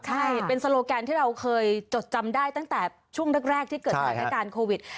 ใช่เป็นโซโลแกนที่เราเคยจดจำได้ตั้งแต่ช่วงแรกที่เกิดสถานการณ์โควิด